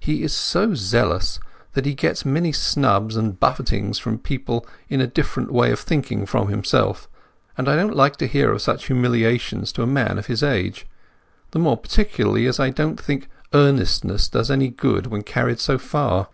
He is so zealous that he gets many snubs and buffetings from people of a different way of thinking from himself, and I don't like to hear of such humiliations to a man of his age, the more particularly as I don't think earnestness does any good when carried so far.